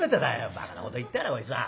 「ばかなこと言ってやらこいつは。